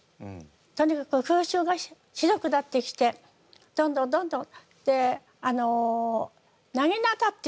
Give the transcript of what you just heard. とにかく空襲がひどくなってきてどんどんどんどん。